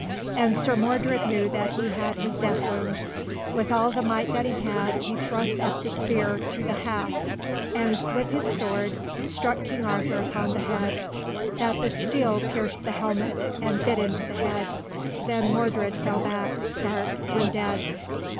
And Sir Mordred knew that he had his death wound. With all the might that he had, he thrust him up the spear to the haft and, with his sword, struck King Arthur upon the head, that the steel pierced the helmet and bit into the head; then Mordred fell back, stark and dead.